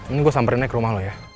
ini gue samperin naik ke rumah lo ya